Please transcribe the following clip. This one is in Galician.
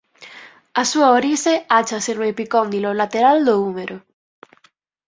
A súa orixe áchase no epicóndilo lateral do úmero.